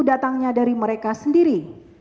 datangnya dari mereka sendiri